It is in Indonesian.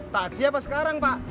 tadi apa sekarang pak